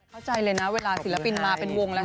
เข้าใจเลยนะเวลาศิลปินมาเป็นวงแล้ว